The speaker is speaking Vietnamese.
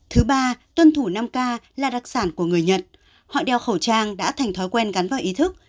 thứ ba tuân thủ năm k là đặc sản của người nhật họ đeo khẩu trang đã thành thói quen gắn vào ý thức